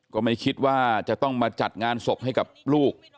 ก็ไม่คิดว่าจะต้องมาจัดงานศพให้กับลูก